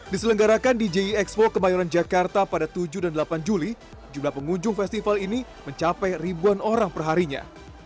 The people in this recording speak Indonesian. diselenggarakan di jie expo kemayoran jakarta pada tujuh dan delapan juli jumlah pengunjung festival ini mencapai ribuan orang perharinya